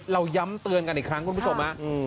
ย้ำเตือนกันอีกครั้งคุณผู้ชม